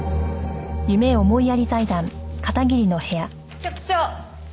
局長。